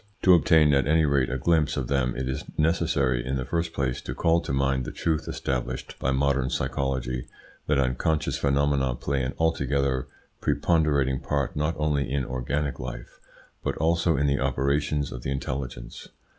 To obtain at any rate a glimpse of them it is necessary in the first place to call to mind the truth established by modern psychology, that unconscious phenomena play an altogether preponderating part not only in organic life, but also in the operations of the intelligence.